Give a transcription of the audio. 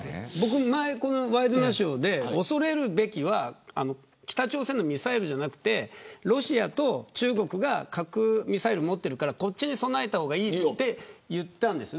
前にワイドナショーで恐れるべきは北朝鮮のミサイルではなくロシアと中国が核ミサイルを持っているからこちらに備えた方がいいと言ったんです。